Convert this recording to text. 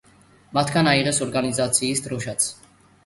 მათგან აიღეს ორგანიზაციის დროშაც.